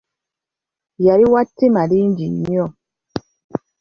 Yali wa ttima lingi nnyo.